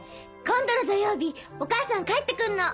今度の土曜日お母さん帰って来んの。